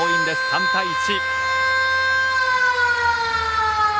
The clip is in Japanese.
３対１。